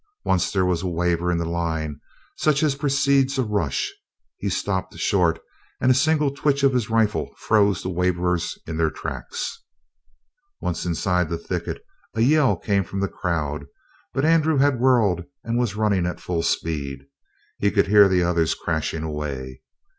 Once there was a waver in the line, such as precedes a rush. He stopped short, and a single twitch of his rifle froze the waverers in their tracks. Once inside the thicket a yell came from the crowd, but Andrew had whirled and was running at full speed. He could hear the others crashing away.